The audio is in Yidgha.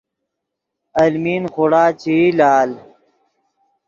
المی خوڑا چے ای لال